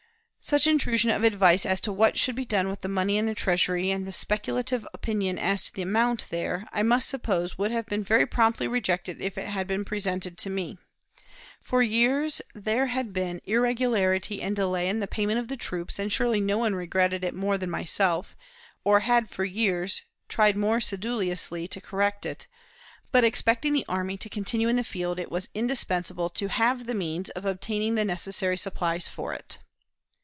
Such intrusion of advice as to what should be done with the money in the Treasury, and the speculative opinion as to the amount there, I must suppose would have been very promptly rejected if it had been presented to me. For years there had been irregularity and delay in the payment of the troops, and surely no one regretted it more than myself, or had for years tried more sedulously to correct it; but, expecting the army to continue in the field, it was indispensable to have the means of obtaining the necessary supplies for it.